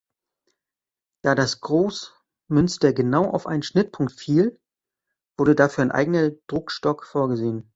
Da das Grossmünster genau auf einen Schnittpunkt fiel, wurde dafür ein eigener Druckstock vorgesehen.